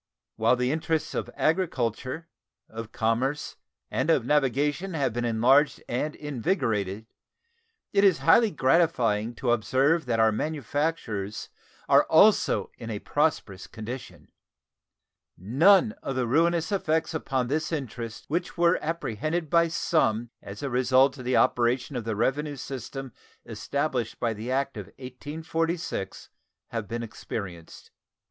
Whilst the interests of agriculture, of commerce, and of navigation have been enlarged and invigorated, it is highly gratifying to observe that our manufactures are also in a prosperous condition. None of the ruinous effects upon this interest which were apprehended by some as the result of the operation of the revenue system established by the act of 1846 have been experienced.